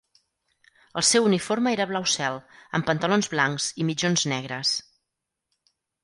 El seu uniforme era blau cel, amb pantalons blancs i mitjons negres.